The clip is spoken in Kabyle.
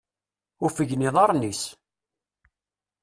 Uffgen iḍarren-is!